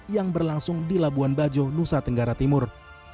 yang berlangsung di labuan bajo nusa tenggara timur